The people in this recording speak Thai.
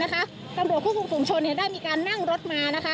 กำรวจคู่กรุงสมชนได้มีการนั่งรถมา